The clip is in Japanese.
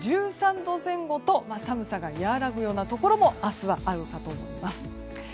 １３度前後と寒さが和らぐようなところも明日はあるかと思います。